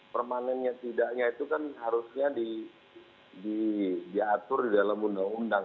permanennya tidaknya itu kan harusnya diatur di dalam undang undang